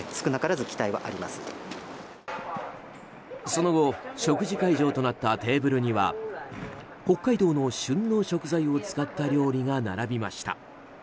その後食事会場となったテーブルには北海道の旬の食材を使った料理が並びました。